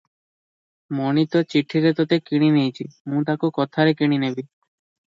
ମଣି ତ ଚିଠିରେ ତୋତେ କିଣି ନେଇଚି- ମୁଁ ତାକୁ କଥାରେ କିଣିନେବି ।